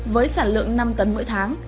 với sản lượng năm tấn mỗi tháng